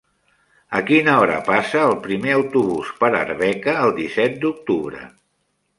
A quina hora passa el primer autobús per Arbeca el disset d'octubre?